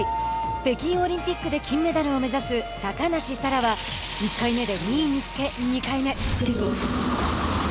北京オリンピックで金メダルを目指す高梨沙羅は１回目で２位につけ２回目。